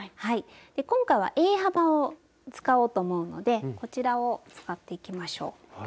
今回はＡ幅を使おうと思うのでこちらを使っていきましょう。